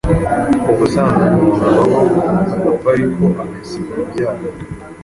Ubusanzwe umuntu abaho, agapfa ariko agasiga urubyaro,